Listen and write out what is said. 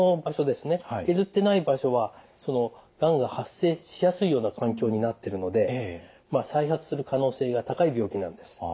削ってない場所はがんが発生しやすいような環境になってるので再発する可能性が高い病気なんです。